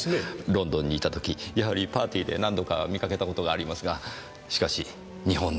ロンドンにいた時やはりパーティーで何度か見かけた事がありますがしかし日本で見るのは珍しい。